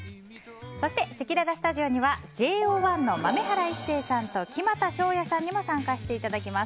そして、せきららスタジオにはＪＯ１の豆原一成さんと木全翔也さんにも参加していただきます。